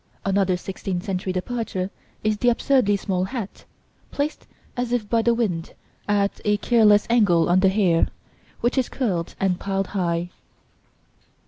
Another sixteenth century departure is the absurdly small hat, placed as if by the wind, at a careless angle on the hair, which is curled and piled high.